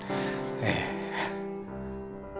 ええ。